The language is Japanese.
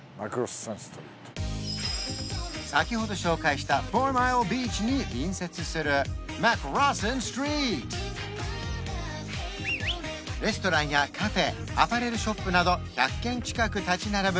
先ほど紹介したフォーマイルビーチに隣接するレストランやカフェアパレルショップなど１００軒近く立ち並ぶ